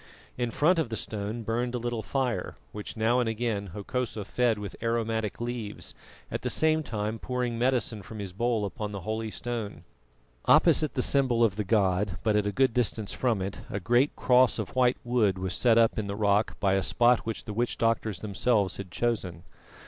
In front of the stone burned a little fire, which now and again Hokosa fed with aromatic leaves, at the same time pouring medicine from his bowl upon the holy stone. Opposite the symbol of the god, but at a good distance from it, a great cross of white wood was set up in the rock by a spot which the witch doctors themselves had chosen.